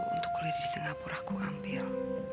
untuk kuliah di singapura aku ambil